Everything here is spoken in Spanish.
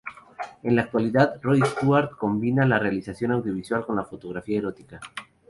En la actualidad, Roy Stuart combina la realización audiovisual con la fotografía erótica.